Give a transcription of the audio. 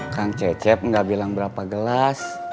kang cecep nggak bilang berapa gelas